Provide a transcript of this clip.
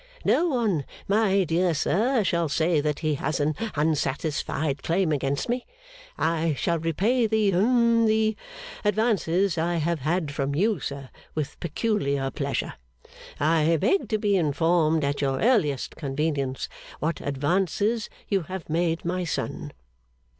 No one, my dear sir, shall say that he has an unsatisfied claim against me. I shall repay the hum the advances I have had from you, sir, with peculiar pleasure. I beg to be informed at your earliest convenience, what advances you have made my son.